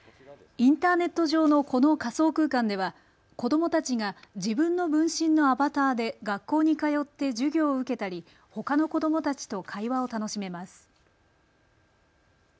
インターネット上のこの仮想空間では子どもたちが自分の分身のアバターで学校に通って授業を受けたり、ほかの子どもたちと会話を楽しめます。